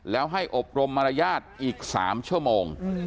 แล้วให้อบรมมารยาทอีก๓ชั่วโมง